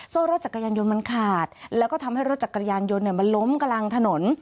โซ่รถจักรยานยนต์มันขาดแล้วก็ทำให้รถจักรยานยนต์มันล้มกลางถนน